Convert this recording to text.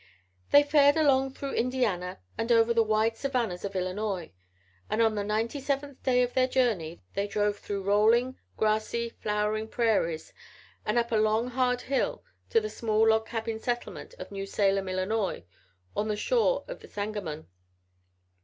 They fared along through Indiana and over the wide savannas of Illinois, and on the ninety seventh day of their journey they drove through rolling, grassy, flowering prairies and up a long, hard hill to the small log cabin settlement of New Salem, Illinois, on the shore of the Sangamon.